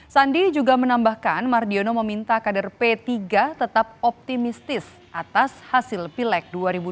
sandi juga menambahkan mardiono meminta kader p tiga tetap optimistis atas hasil pileg dua ribu dua puluh